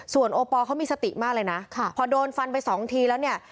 ส่วนโอปอลเขามีสติมากเลยนะพอโดนฟันไปสองทีแล้วเนี่ย